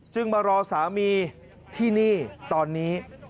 มารอสามีที่นี่ตอนนี้